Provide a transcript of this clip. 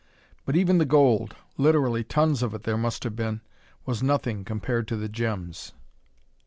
But even the gold literally tons of it there must have been was nothing compared to the gems.